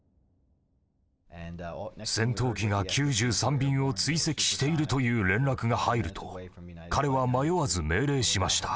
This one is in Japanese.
戦闘機が９３便を追跡しているという連絡が入ると彼は迷わず命令しました。